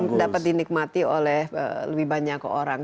dan yang dapat dinikmati oleh lebih banyak orang